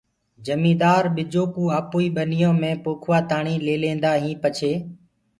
جميندآر ٻجو ڪو آپوئي ٻنيو مي پوکوآ تآڻي ليليندآ هين پڇي